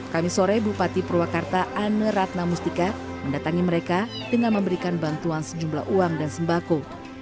kami sore bupati purwakarta ane ratnamustika mendatangi mereka dengan memberikan bantuan sejumlah uang dan sembako